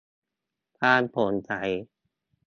ความโปร่งใส